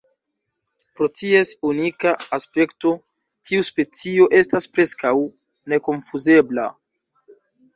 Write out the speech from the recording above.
Pro ties unika aspekto, tiu specio estas preskaŭ nekonfuzebla.